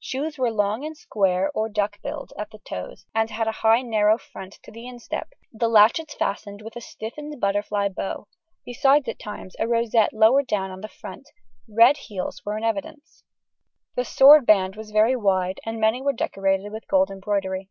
Shoes were long and square (or duck billed) at the toes; and had a high narrow front to the instep, and latchets fastened with a stiffened butterfly bow, besides, at times, a rosette lower down on the front: red heels were in evidence. The sword band was very wide, and many were decorated with gold embroidery.